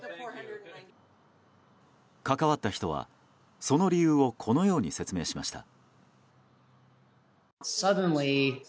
関わった人は、その理由をこのように説明しました。